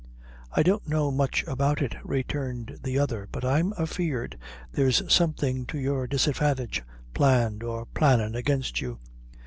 "I don't know much about it," returned the other; "but I'm afeard there's something to your disadvantage planned or plannin' against you.